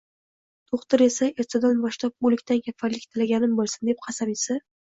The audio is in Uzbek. Do’xtir esa, “ertadan boshlab o’likdan kafanlik tilaganim bo’lsin!” deb qasam ichsa.